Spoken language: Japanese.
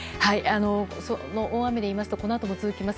大雨で言いますとこのあとも続きます。